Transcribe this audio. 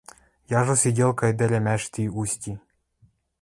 Яжо сиделка ӹдӹрӓмӓш ти Усти...